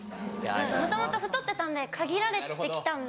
もともと太ってたんで限られて来たんで。